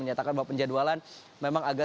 menyatakan bahwa penjadwalan memang agak